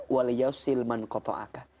walyausil man kotoaka